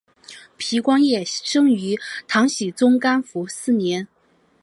皮光业生于唐僖宗干符四年。